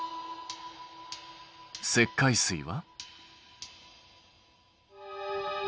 石灰水は？